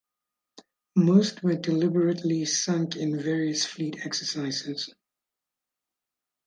Most were deliberately sunk in various fleet exercises.